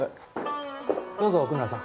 どうぞ奥村さん